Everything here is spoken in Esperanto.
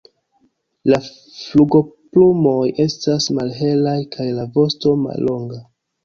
La flugoplumoj estas malhelaj kaj la vosto mallonga.